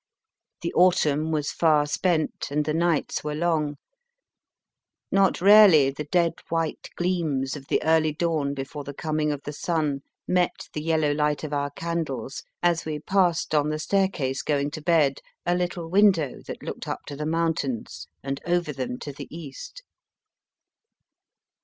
The autumn was far spent, and the nights were long. Not rarely the dead white gleams of the early dawn before the coming of the sun met the yellow light of our candles as we passed on the staircase going to bed a little window that looked up to the mountains, and over them to the east.